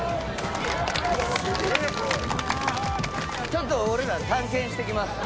ちょっと俺ら探検してきます。